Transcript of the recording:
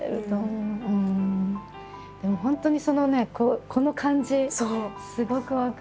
でも本当にそのねこの感じすごく分かる。